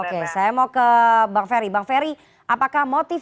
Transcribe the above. oke saya mau ke bang ferry bang ferry apakah motif